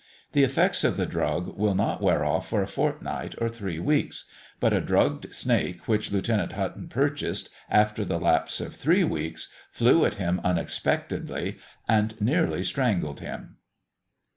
The effects of the drug will not wear off for a fortnight or three weeks; but a drugged snake which Lieutenant Hutton purchased, after the lapse of three weeks, flew at him unexpectedly, and nearly strangled him.